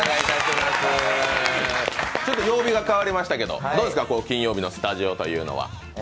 曜日が変わりましたけど、どうですか、金曜日のスタジオというのは？